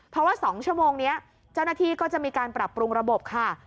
เพราะว่า๒ชั่วโมงนี้เจ้าหน้าที่ก็จะมีการปรับปรุงระบบค่ะ